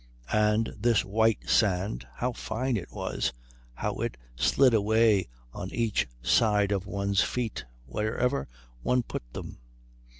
And this white sand how fine it was, how it slid away on each side of one's feet wherever one put them!